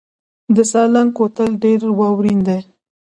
د سالنګ کوتل ډیر واورین دی